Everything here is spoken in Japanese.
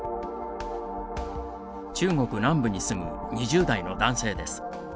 中国南部に住む２０代の男性です。